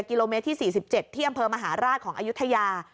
กิโลเมตรที่๔๗ที่อำเภอมหาราชของอายุทยา